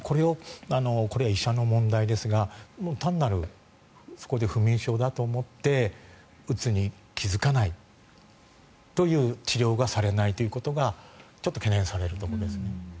これは医者の問題ですが単なる、そこで不眠症だと思ってうつに気付かない治療がされないということがちょっと懸念されるところですね。